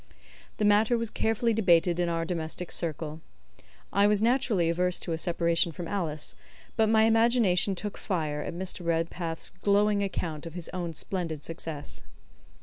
The matter was carefully debated in our domestic circle. I was naturally averse to a separation from Alice, but my imagination took fire at Mr. Redpath's glowing account of his own splendid success.